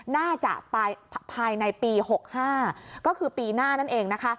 น่าจะไปภายในปี๖๕ก็คือปีหน้านั่นเองนะคะ